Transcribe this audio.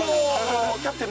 キャプテン。